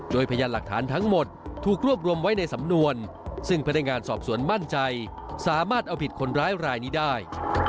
โดยพยานหลักฐานทั้งหมดถูกรวบรวมไว้ในสำนวนซึ่งพนักงานสอบสวนมั่นใจสามารถเอาผิดคนร้ายรายนี้ได้